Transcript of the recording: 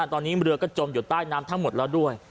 ตอนนี้เรือก็จมอยู่ใต้น้ำทั้งหมดแล้วด้วย